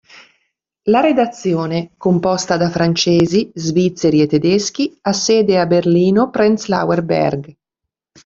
La redazione, composta da francesi, svizzeri e tedeschi, ha sede a Berlino-Prenzlauer Berg.